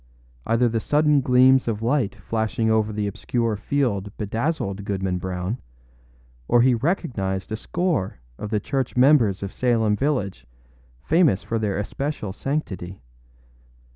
Either the sudden gleams of light flashing over the obscure field bedazzled Goodman Brown, or he recognized a score of the church members of Salem village famous for their especial sanctity.